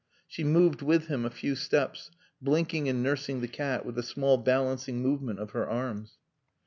She moved with him a few steps, blinking and nursing the cat with a small balancing movement of her arms.